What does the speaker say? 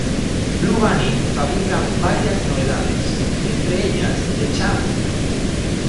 Blue Bunny fabrica varias novedades, entre ellas The Champ!